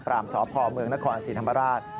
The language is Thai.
ปร่ามสอบภอมเมืองนครสีธรรมราช